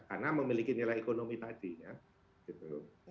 karena memiliki nilai ekonomi tadi ya